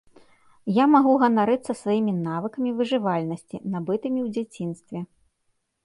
Я магу ганарыцца сваімі навыкамі выжывальнасці, набытымі ў дзяцінстве.